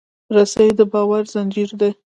رسۍ د باور زنجیر دی.